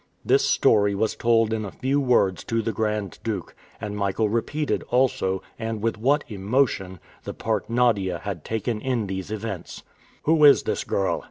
This story was told in a few words to the Grand Duke, and Michael repeated also and with what emotion! the part Nadia had taken in these events. "Who is this girl?"